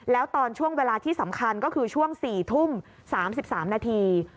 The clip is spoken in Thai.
แล้วตอนช่วงเวลาที่สำคัญก็คือช่วง๔ทุ่ม๓๓นาที